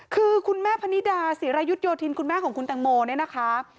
คือคุณแม่พนิดาศิรายุทธ์โยธินคุณแม่ของคุณตังโมเนี่ยนะคะ